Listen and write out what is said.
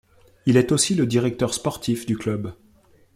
Il est aussi le directeur sportif du club.